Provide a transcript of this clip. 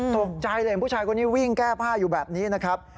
ตกใจเลยผู้ชายคนนี้วิ่งแก้ผ้าอยู่แบบนี้นะครับ